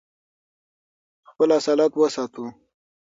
خپل اصالت وساتو.